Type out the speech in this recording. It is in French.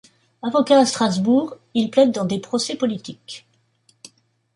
Avocat à Strasbourg, il plaide dans des procès politiques.